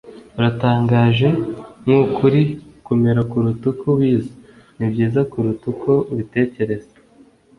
Uratangaje. Nkuko uri. Komera kuruta uko ubizi. Nibyiza kuruta uko ubitekereza.